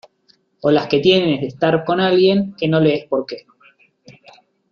o las que tienes de estar con alguien que no lo es porque